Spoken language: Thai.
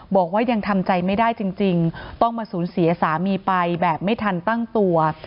บอกว่ายังทำใจไม่ได้จริงต้องมาสูญเสียสามีไปแบบไม่ทันตั้งตัว